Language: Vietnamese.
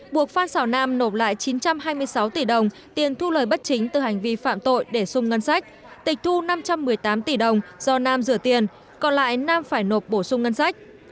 buộc phan xào nam nộp lại chín trăm hai mươi sáu tỷ đồng tiền thu lời bất chính từ hành vi phạm tội để sung ngân sách tịch thu năm trăm một mươi tám tỷ đồng do nam rửa tiền còn lại nam phải nộp bổ sung ngân sách